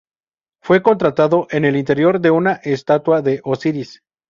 Fue encontrado en el interior de una estatua de Osiris.